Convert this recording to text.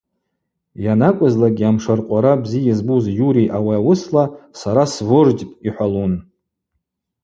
Йанакӏвызлакӏгьи амшыркъвара бзи йызбуз Юрий ауи ауысла – Сара свождьпӏ – йхӏвалун.